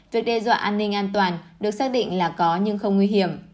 việc đe dọa an ninh an toàn được xác định là có nhưng không nguy hiểm